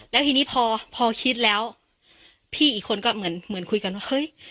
แล้วทีนี้พอพอคิดแล้วพี่อีกคนก็เหมือนเหมือนคุยกันว่าเฮ้ย